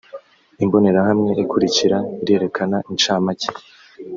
imbonerahamwe ikurikira irerekana incamake .